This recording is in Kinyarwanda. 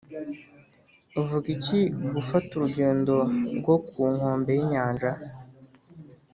uvuga iki gufata urugendo rwo ku nkombe y'inyanja?